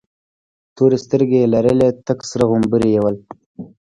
تورې سترگې يې لرلې، تک سره غمبوري یې ول.